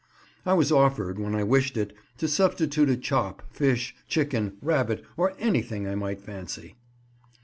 (I was offered, when I wished it, to substitute a chop, fish, chicken, rabbit, or anything I might fancy.)